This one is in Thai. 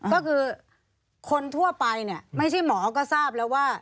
ก็คือคนทั่วไปเนี่ยไม่ใช่หมอก็ทราบแล้วว่า